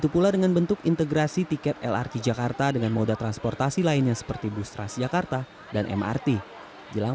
pemerintah lrt jakarta juga sudah siap diuji coba